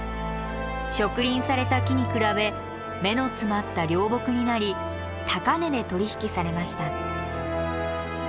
植林された木に比べ目の詰まった良木になり高値で取り引きされました。